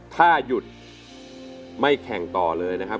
ถ้าหยุดไม่แข่งต่อเลยนะครับ